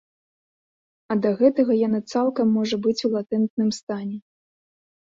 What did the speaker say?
А да гэтага яна цалкам можа быць у латэнтным стане.